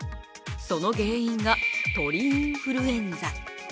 その原因が鳥インフルエンザ。